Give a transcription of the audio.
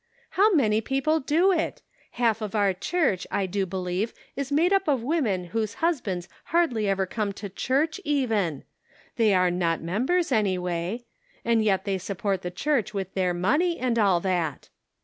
" How many people do it ? Half of our church, I do believe, is made up of women whose husbands hardly ever come to church even ; they are not members, anyway ; and yet they support the church with their money, and all that."